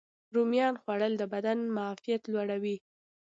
رومیانو خوړل د بدن معافیت لوړوي.